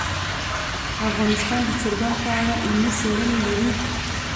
افغانستان د چرګان په اړه علمي څېړنې لري.